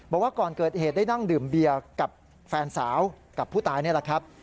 บอกว่าก่อนเกิดเหตุได้นั่งดื่มเบียร์กับแฟนสาวกับผู้ตายนี่แหละครับ